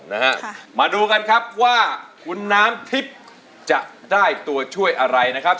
นะฮะค่ะมาดูกันครับว่าคุณน้ำทิพย์จะได้ตัวช่วยอะไรนะครับ